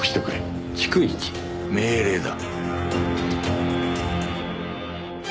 命令だ。